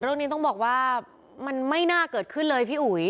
เรื่องนี้ต้องบอกว่ามันไม่น่าเกิดขึ้นเลยพี่อุ๋ย